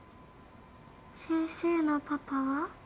先生のパパは？